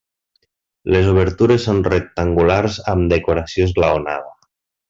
Les obertures són rectangulars amb decoració esglaonada.